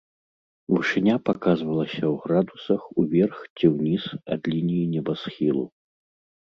Вышыня паказвалася ў градусах уверх ці ўніз ад лініі небасхілу.